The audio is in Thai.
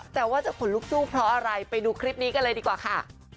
แต่ว่าจะขนลุกสู้เพราะอะไรไปดูคลิปนี้กันเลยดีกว่าค่ะ